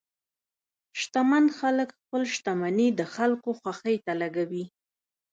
شتمن خلک خپل شتمني د خلکو خوښۍ ته لګوي.